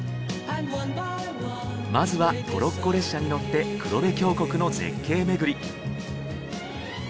まずはトロッコ列車に乗って黒部峡谷の絶景巡り。